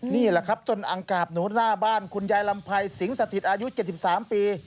นี่แหละครับต้นอังกาบหนูหน้าบ้านคุณยายลำไพรสิงสถิตอายุ๗๓ปี